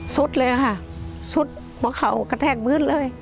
สุดเลยค่ะสุดเพราะเขากระแทกมืดเลย